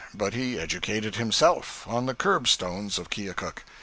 But he educated himself on the curbstones of Keokuk.